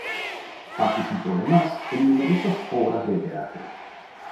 Participó además en numerosas obras de teatro.